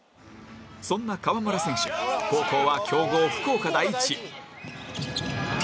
そんな河村選手高校は強豪福岡第一